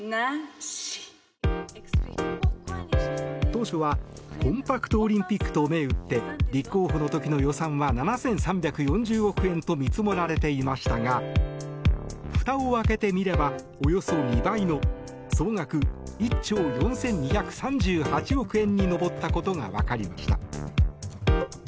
当初はコンパクトオリンピックと銘打って立候補の時の予算は７３４０億円と見積もられていましたがふたを開けてみればおよそ２倍の総額１兆４２３８億円に上ったことが分かりました。